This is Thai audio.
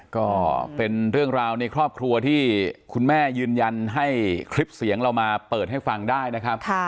ก็เป็นเรื่องราวในครอบครัวที่คุณแม่ยืนยันให้คลิปเสียงเรามาเปิดให้ฟังได้นะครับ